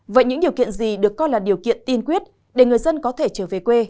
vậy những điều kiện gì được coi là điều kiện tiên quyết để người dân có thể trở về quê